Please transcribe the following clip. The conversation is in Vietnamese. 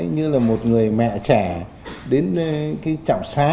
như là một người mẹ trẻ đến cái trạm xá